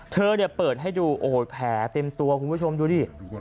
เธอเนี่ยเปิดให้ดูโอ้โหแผลเต็มตัวคุณผู้ชมดูดิ